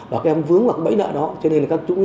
và các em vướng vào bẫy nợ đó cho nên là các chúng